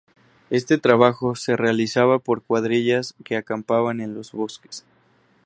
Este trabajo se realizaba por cuadrillas que acampaban en los bosques.